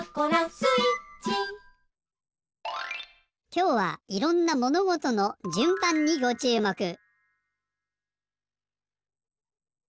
きょうはいろんなものごとの順番にごちゅうもく。